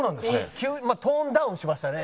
急にトーンダウンしましたね。